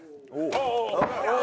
ああ。